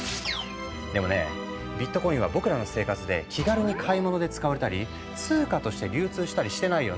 でもねビットコインは僕らの生活で気軽に買い物で使われたり通貨として流通したりしてないよね。